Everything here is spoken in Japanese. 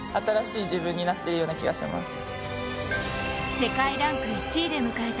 世界ランク１位で迎えた